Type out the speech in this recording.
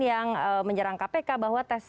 yang menyerang kpk bahwa